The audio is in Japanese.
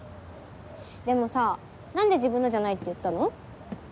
でもさ何で自分のじゃないって言ったの？